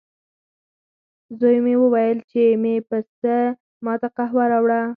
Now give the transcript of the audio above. زوی مې وویل، چې مې پسه ما ته قهوه راوړه.